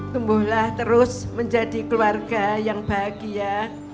tumbuhlah terus menjadi keluarga yang bahagia